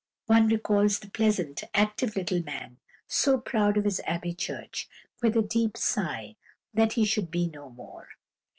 One recalls the pleasant, active little man, so proud of his Abbey Church, with a deep sigh that he should be no more.